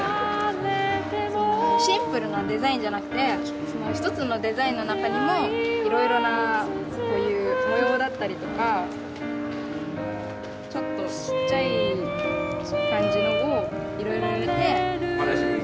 シンプルなデザインじゃなくてその一つのデザインの中にもいろいろなこういう模様だったりとかちょっとちっちゃい感じのをいろいろ入れて。